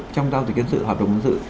trong giao dịch dân sự hoạt động dân sự